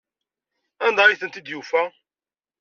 Anda ay tent-id-yufa?